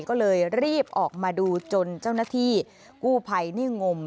ก็เลยรีบออกมาดูจนเจ้าหน้าที่กู้ภัยนี่งม